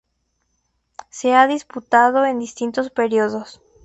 Se ha disputado en distintos periodos.